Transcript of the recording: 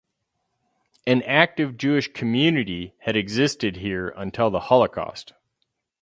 An active Jewish community had existed here until the Holocaust.